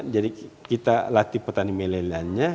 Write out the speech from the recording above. jadi kita latih petani melelainya